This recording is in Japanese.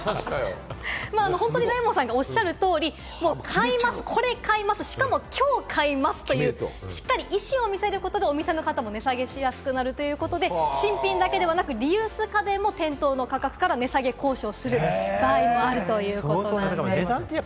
大門さんがおっしゃる通り、これ買います、しかも、きょう買いますという、しっかり意思を見せることでお店の方も値下げしやすくなるということで、新品だけでなくリユース家電も店頭の価格から値下げ交渉する可能性もあるということです。